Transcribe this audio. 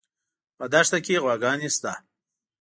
په دښته کې غواګانې شته